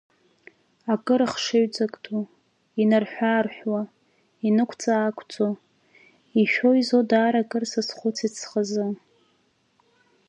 Акыр ахшыҩҵак ду, инарҳәы-аарҳәуа, инықәҵааақәҵо, ишәо-изо даараӡа акыр сазхәыцит схазы.